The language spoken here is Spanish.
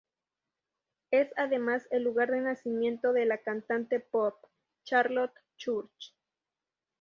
Es además el lugar de nacimiento de la cantante pop Charlotte Church.